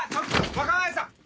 若林さん！